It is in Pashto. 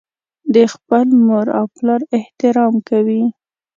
د خپل مور او پلار احترام کوي.